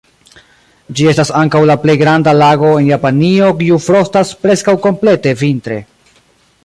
Ĝi estas ankaŭ la plej granda lago en Japanio kiu frostas preskaŭ komplete vintre.